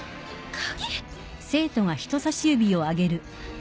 ・鍵。